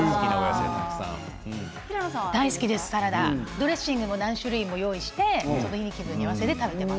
ドレッシングも何種類も用意して組み合わせで食べています。